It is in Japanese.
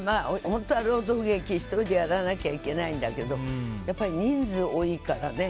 本当は朗読劇１人でやらなきゃいけないんだけどやっぱり人数が多いからね。